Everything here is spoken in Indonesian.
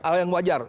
hal yang wajar